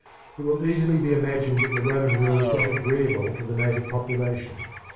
It will easily be imagined that the Roman rule was not agreeable to the native population.